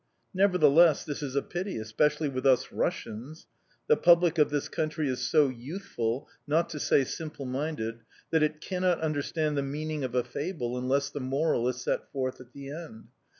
Nevertheless, this is a pity, especially with us Russians! The public of this country is so youthful, not to say simple minded, that it cannot understand the meaning of a fable unless the moral is set forth at the end.